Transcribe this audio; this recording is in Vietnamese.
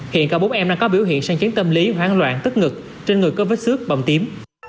hiện cả bốn em đang có biểu hiện sang chiến tâm lý hoảng loạn tức ngực trên người có vết xước bồng tím